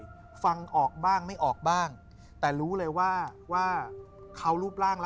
อเจมส์ฟังออกบ้างหรือไม่ออกบ้าง